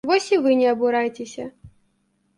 Вось і вы не абурайцеся.